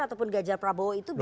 ataupun gajar prabowo itu belum